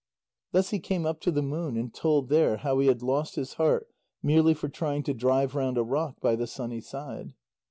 Thus he came up to the moon, and told there how he had lost his heart merely for trying to drive round a rock by the sunny side.